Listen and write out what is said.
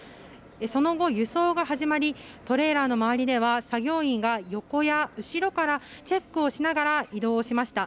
その後、輸送が始まりトレーラーの周りでは作業員が横や後ろからチェックをしながら移動をしました。